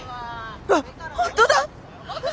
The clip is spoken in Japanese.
うわっ本当だ。